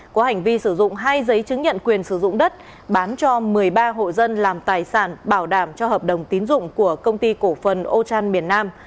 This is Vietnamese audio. có hành vi sử dụng hai giấy chứng nhận quyền sử dụng đất bán cho một mươi ba hộ dân làm tài sản bảo đảm cho hợp đồng tín dụng của công ty cổ phần ochan miền nam